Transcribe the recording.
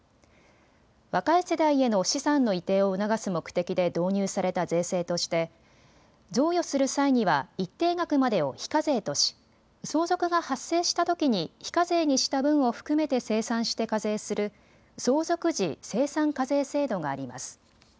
若い世代への資産の移転を促す目的で導入された税制として贈与する際には一定額までを非課税とし相続が発生したときに非課税にした分を含めて精算して課税する相続時精算課税制度があります。